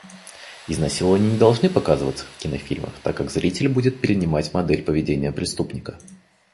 Изнасилования не должны показываться в кинофильмах, так как зритель будет перенимать модель поведения преступника.